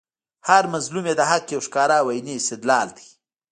هر مظلوم ئې د حق یو ښکاره او عیني استدلال دئ